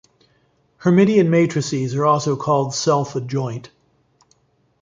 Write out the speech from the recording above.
Hermitian matrices are also called self-adjoint.